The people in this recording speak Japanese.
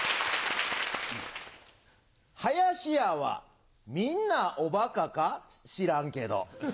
林家はみんなおバカか知らんけど。